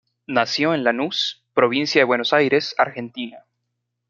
Nació en Lanús, Provincia de Buenos Aires, Argentina.